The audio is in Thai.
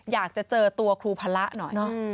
อยากจะเจอตัวครูพระหน่อย